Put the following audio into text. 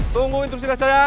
tunggu instruksi dari saya